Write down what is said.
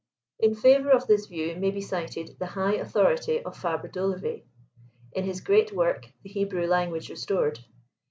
In favor of this view may be cited the high authority of Fabre d'Olivet, in his great work, "the Hebrew Language Restored."